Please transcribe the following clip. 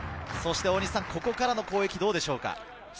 そしてここからの攻撃、どうでしょうか？